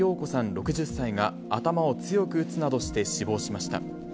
６０歳が頭を強く打つなどして死亡しました。